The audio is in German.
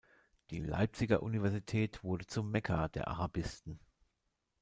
Die Leipziger Universität wurde zum „Mekka der Arabisten“.